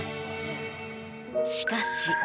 しかし。